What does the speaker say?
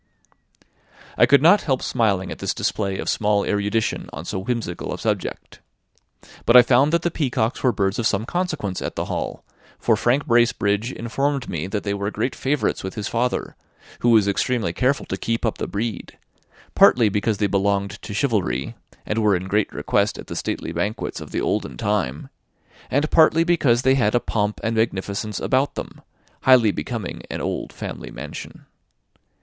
I could not help smiling at this display of small erudition on so whimsical a subject; but I found that the peacocks were birds of some consequence at the Hall, for Frank Bracebridge informed me that they were great favourites with his father, who was extremely careful to keep up the breed; partly because they belonged to chivalry, and were in great request at the stately banquets of the olden time; and partly because they had a pomp and magnificence about them, highly becoming an old family mansion.